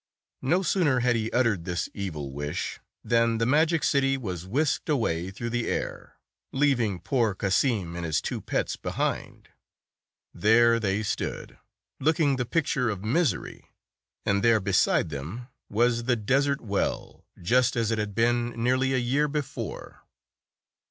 No sooner had he uttered this evil wish, than the magic city was whisked away through the air, leaving poor Cassim and his two pets behind. There they stood, looking the picture of misery, and there beside them was the des 185 ert well, just as it had been nearly a year before.